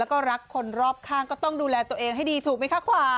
มันปกติไหมเดี๋ยวนี้